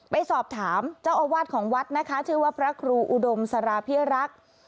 ไปสอบถามเจ้าอาวาสของวัดนะคะชื่อว่าพระครูอุดมสารพิรักษ์